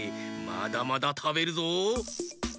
まだまだたべるぞ！